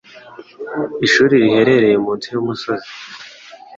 Ishuri riherereye munsi yumusozi